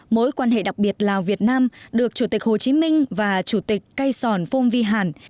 mối quan hệ đặc biệt lào việt nam được chủ tịch hồ chí minh và chủ tịch cây sòn phong vi hàn